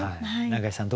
永井さん